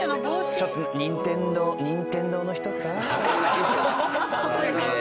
ちょっと任天堂の人か？